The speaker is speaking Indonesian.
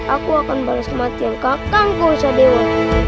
aku akan balas kematian kakang kau sadewa